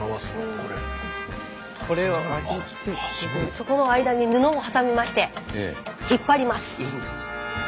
そこの間に布を挟みまして引っ張ります。